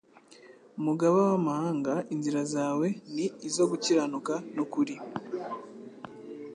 Mugaba w'amahanga, inzira zawe ni izo gukiranuka n'ukuri.